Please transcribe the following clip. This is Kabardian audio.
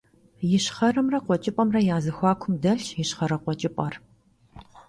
Yişxheremre khueç'ıp'emre ya zexuakum delhş yişxhere - khueç'ıp'er.